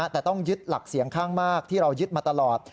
แต่ต้องยึดหลักเสียงข้างมากที่เรายึดมาตลอด